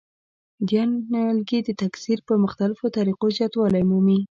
دا نیالګي د تکثیر په مختلفو طریقو زیاتوالی مومي.